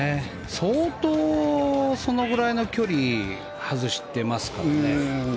相当、そのぐらいの距離外してますからね。